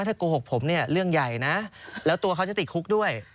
ถ้าโกหกผมเนี่ยเรื่องใหญ่นะแล้วตัวเขาจะติดคุกด้วย